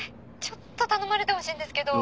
ちょっと頼まれてほしいんですけど。